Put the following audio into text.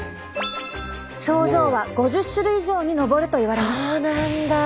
症状は５０種類以上に上るといわれます。